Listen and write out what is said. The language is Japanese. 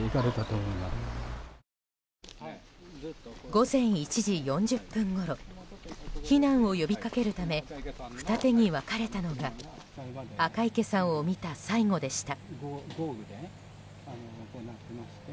午前１時４０分ごろ避難を呼びかけるため二手に分かれたのが赤池さんを見た最後でした。